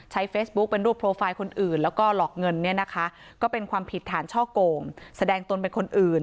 ใช้เฟซบุ๊กเป็นรูปโพลไฟล์คนอื่น